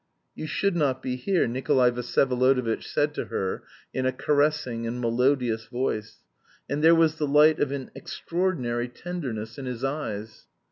"You should not be here," Nikolay Vsyevolodovitch said to her in a caressing and melodious voice; and there was the light of an extraordinary tenderness in his eyes.